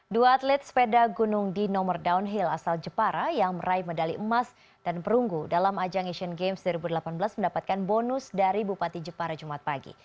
dua atlet sepeda gunung di nomor downhill asal jepara yang meraih medali emas dan perunggu dalam ajang asian games dua ribu delapan belas mendapatkan bonus dari bupati jepara jumat pagi